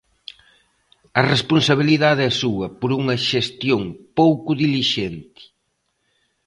A responsabilidade é súa por unha xestión pouco dilixente.